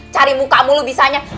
cari muka mulu bisanya